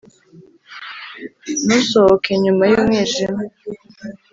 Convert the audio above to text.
ntusohoke nyuma y'umwijima